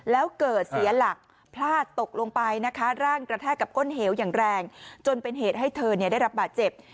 แล้วเกิดเสียหลักพลาดตกลงไปนะคะร่างกระแทกกับก้นเหวอย่างแรงจนเป็นเหตุให้เธอได้รับบาดเจ็บ